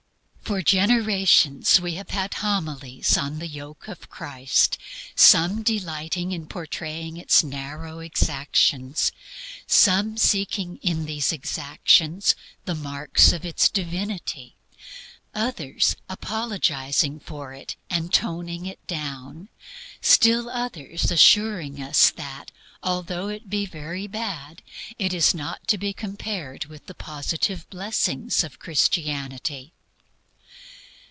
For generations we have had homilies on "The Yoke of Christ" some delighting in portraying its narrow exactions; some seeking in these exactions the marks of its divinity; others apologizing for it, and toning it down; still others assuring us that, although it be very bad, it is not to be compared with the positive blessings of Christianity.